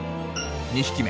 ２匹目。